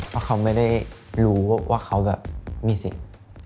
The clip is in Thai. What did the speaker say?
เพราะเขาไม่ได้รู้ว่าเขาแบบมีสิทธิ์